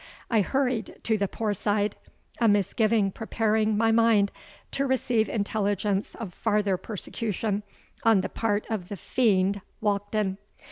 I hurried to the Poor Side, a misgiving preparing my mind to receive intelligence of farther persecution on the part of the fiend Walkden.